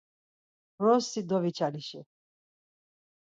Vrossi doviçalişi.